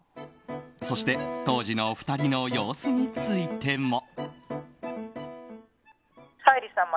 そして当時の２人の様子についても。